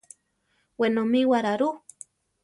Wenomíwara rú?